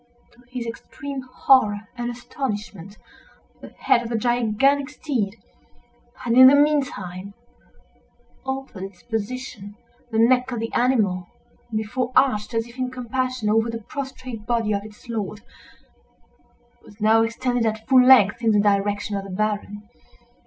To his extreme horror and astonishment, the head of the gigantic steed had, in the meantime, altered its position. The neck of the animal, before arched, as if in compassion, over the prostrate body of its lord, was now extended, at full length, in the direction of the Baron.